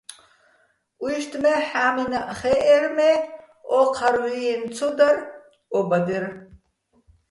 უჲშტ მე, ჰ̦ა́მინაჸ ხეჸერ, მე ოჴარ ვიენო̆ ცო დარ ო ბადერ.